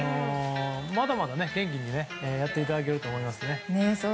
まだまだ元気にやっていただけると思いますね。